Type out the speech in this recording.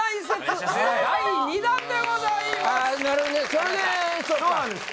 それでそっかそうなんです